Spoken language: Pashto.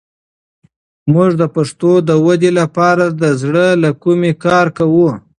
موږ د پښتو د ودې لپاره د زړه له کومې کار کوو.